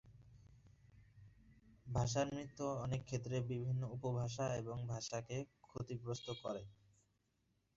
ভাষার মৃত্যু অনেক ক্ষেত্রে বিভিন্ন উপভাষা এবং ভাষাকে ক্ষতিগ্রস্ত করে।